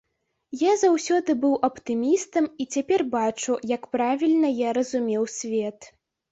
Я заўсёды быў аптымістам і цяпер бачу, як правільна я разумеў свет.